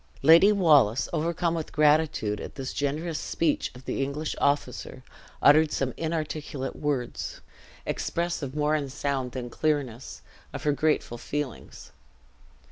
Lady Wallace, overcome with gratitude at this generous speech of the English officer, uttered some inarticulate words, expressive more in sound than clearness, of her grateful feelings.